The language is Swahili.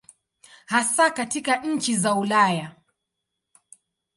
Hasa katika nchi za Ulaya.